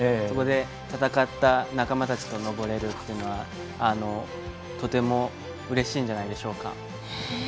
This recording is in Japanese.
そこで戦った仲間たちと上れるというのはとてもうれしいんじゃないでしょうか。